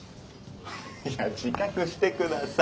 いや自覚してください。